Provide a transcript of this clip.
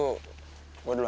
sampai jumpa bu